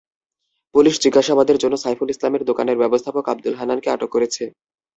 Police জিজ্ঞাসাবাদের জন্য সাইফুল ইসলামের দোকানের ব্যবস্থাপক আবদুল হান্নানকে আটক করেছে।